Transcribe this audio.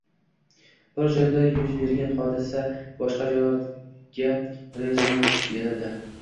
Bir joyda yuz bergan hodisa boshqa joylarga rezonans beradi